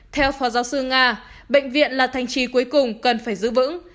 theo phó giáo sư nga bệnh viện là thành trì cuối cùng cần phải giữ vững